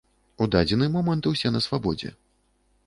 У дадзены момант усе на свабодзе.